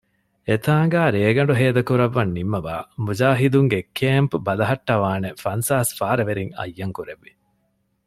އެތާނގައި ރޭގަނޑު ހޭދަކުރައްވަން ނިންމަވައި މުޖާހިދުންގެ ކޭމްޕް ބަލަހައްޓަވާނެ ފަންސާސް ފާރަވެރިން އައްޔަންކުރެއްވި